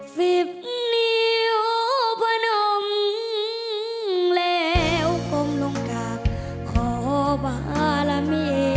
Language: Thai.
สิบนิ้วพะนมแล้วผมลงจากขอบารมี